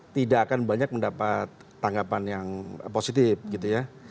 tidak akan banyak mendapat tanggapan yang positif gitu ya